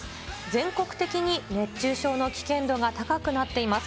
全国的に熱中症の危険度が高くなっています。